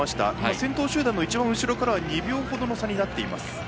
先頭集団の一番後ろからは２秒ほどの差になっています。